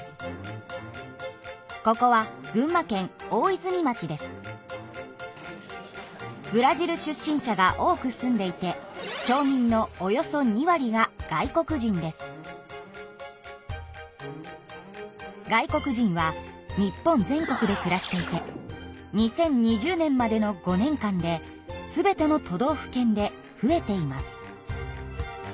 ここはブラジル出身者が多く住んでいて外国人は日本全国で暮らしていて２０２０年までの５年間で全ての都道府県で増えています。